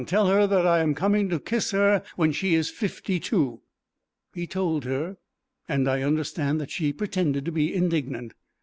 Tell her that I am coming in to kiss her when she is fifty two." He told her, and I understand that she pretended to be indignant.